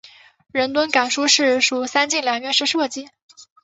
仁敦冈书室属三进两院式设计。